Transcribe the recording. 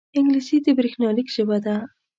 انګلیسي د بریښنالیک ژبه ده